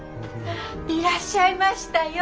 いらっしゃいましたよ。